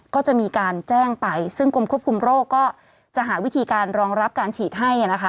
ก็จะมีการแจ้งไปซึ่งกรมควบคุมโรคก็จะหาวิธีการรองรับการฉีดให้นะคะ